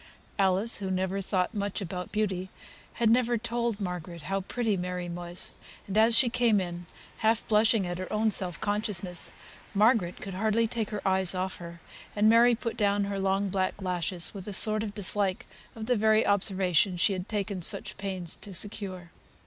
Alice, who never thought much about beauty, had never told Margaret how pretty Mary was; and, as she came in half blushing at her own self consciousness, Margaret could hardly take her eyes off her, and Mary put down her long black lashes with a sort of dislike of the very observation she had taken such pains to secure.